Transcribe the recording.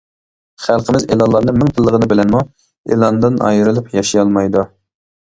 خەلقىمىز ئېلانلارنى مىڭ تىللىغىنى بىلەنمۇ ئېلاندىن ئايرىلىپ ياشىيالمايدۇ.